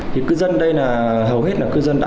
thì cư dân đây là một trong những người đồng nghiệp